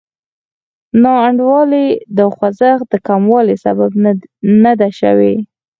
ناانډولي د خوځښت د کموالي سبب نه ده شوې.